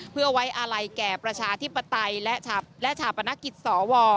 เพื่อไว้อาลัยแก่ประชาธิปไตยและชาปนกิจสว